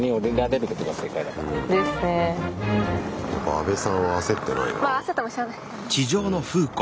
アベさんは焦ってないなあ。